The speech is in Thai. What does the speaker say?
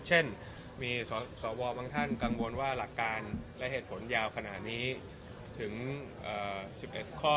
เช่นมีสวบางท่านกังวลว่าหลักการและเหตุผลยาวขนาดนี้ถึง๑๑ข้อ